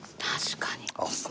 確かに。